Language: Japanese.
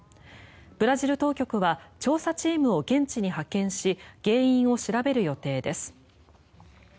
ブラジル当局は調査チームを現地に派遣し原因を調べる予定です。